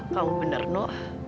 kamu bener no